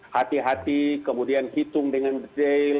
hati hati kemudian hitung dengan detail